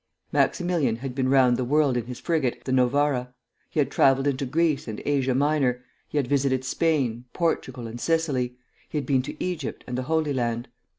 Maximilian had been round the world in his frigate, the "Novara;" he had travelled into Greece and Asia Minor, he had visited Spain, Portugal, and Sicily; he had been to Egypt and the Holy Land.